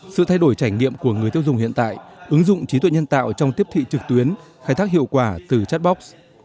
sự thay đổi trải nghiệm của người tiêu dùng hiện tại ứng dụng trí tuệ nhân tạo trong tiếp thị trực tuyến khai thác hiệu quả từ chatbox